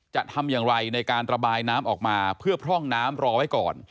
จะทำอย่างไรในการระบายน้ำออกมาเพื่อพร่องน้ำรอไว้ก่อน